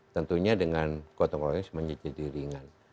tentunya dengan gotong royong semuanya jadi ringan